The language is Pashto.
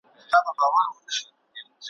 لا د دام هنر یې نه وو أزمېیلی `